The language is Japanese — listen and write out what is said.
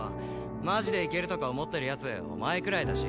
マジで行けるとか思ってる奴お前くらいだし。